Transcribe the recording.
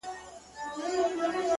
كه په رنگ باندي زه هر څومره تورېږم؛